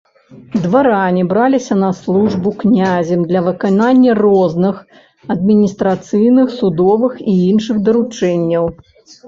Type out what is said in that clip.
Дваране браліся на службу князем для выканання розных адміністрацыйных, судовых і іншых даручэнняў.